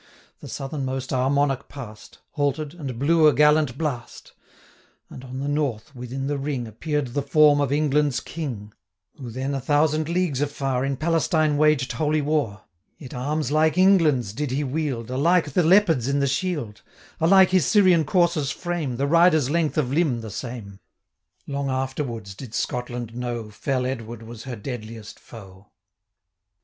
The southernmost our Monarch past, 450 Halted, and blew a gallant blast; And on the north, within the ring, Appeared the form of England's King, Who then a thousand leagues afar, In Palestine waged holy war: 455 Yet arms like England's did he wield, Alike the leopards in the shield, Alike his Syrian courser's frame, The rider's length of limb the same: Long afterwards did Scotland know, 460 Fell Edward was her deadliest foe.